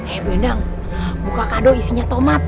eh bu endang buka kado isinya tomat